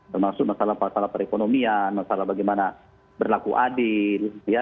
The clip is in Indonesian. termasuk masalah masalah perekonomian masalah bagaimana berlaku adil